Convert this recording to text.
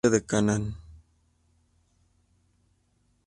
La ciudad se unió a los cartagineses tras la batalla de Cannas.